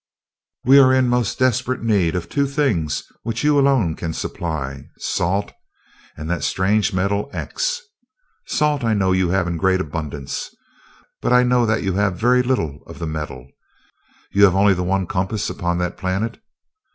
We are in most desperate need of two things which you alone can supply salt, and that strange metal, 'X'. Salt I know you have in great abundance, but I know that you have very little of the metal. You have only the one compass upon that planet?"